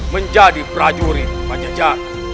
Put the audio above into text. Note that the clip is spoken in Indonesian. menjadi prajurit pajajaran